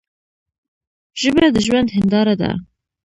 ژبه د ژوند هنداره ده.